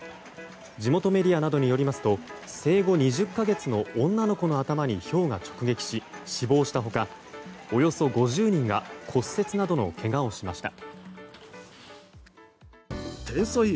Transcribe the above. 地元メディアなどによりますと生後２０か月の女の子の頭にひょうが直撃し死亡した他、およそ５０人が骨折などのけがをしました。